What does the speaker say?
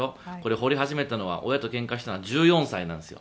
掘り始めたのは親とけんかしたのは１４歳ですよ。